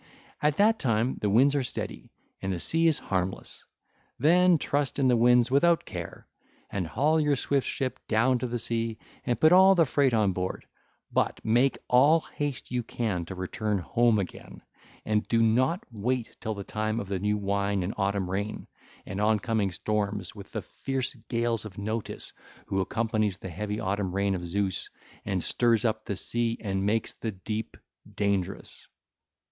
At that time the winds are steady, and the sea is harmless. Then trust in the winds without care, and haul your swift ship down to the sea and put all the freight on board; but make all haste you can to return home again and do not wait till the time of the new wine and autumn rain and oncoming storms with the fierce gales of Notus who accompanies the heavy autumn rain of Zeus and stirs up the sea and makes the deep dangerous.